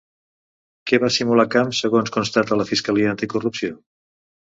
Què va simular Camps segons constata la fiscalia anticorrupció?